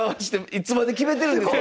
いつまで決めてるんですか